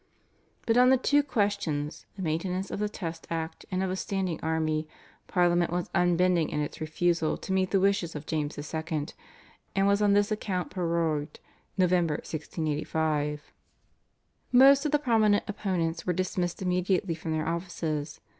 But on the two questions, the maintenance of the Test Act and of a standing army, Parliament was unbending in its refusal to meet the wishes of James II., and was on this account prorogued (Nov. 1685). Most of the prominent opponents were dismissed immediately from their offices.